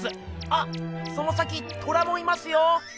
あその先トラもいますよ。